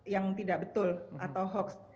yang tidak betul atau hoax